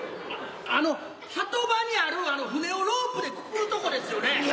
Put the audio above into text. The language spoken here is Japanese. あの波止場にある船をロープでくくるとこですよね？